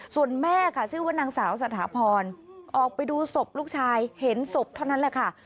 ส่วนแม่ค่ะชื่อว่านางสาวสถาพรออกไปดูศพลูกชายเห็นศพเท่านั้นแหละค่ะ